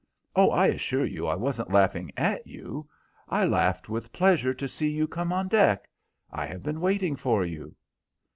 "Oh, I assure you I wasn't laughing at you. I laughed with pleasure to see you come on deck. I have been waiting for you."